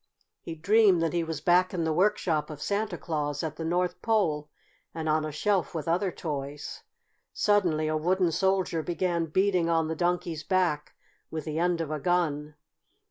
He dreamed that he was back in the workshop of Santa Claus at the North Pole and on a shelf with other toys. Suddenly a Wooden Soldier began beating on the Donkey's back with the end of a gun.